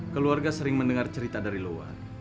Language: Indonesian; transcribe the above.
keluarga sering mendengar cerita dari luar